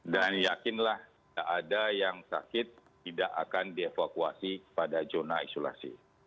dan yakinlah tidak ada yang sakit tidak akan dievakuasi pada zona isolasi